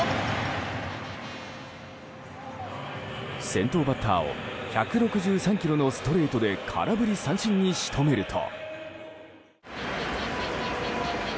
先頭バッターを１６３キロのストレートで空振り三振に仕留めると。